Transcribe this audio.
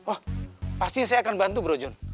oh pastinya saya akan bantu bro jun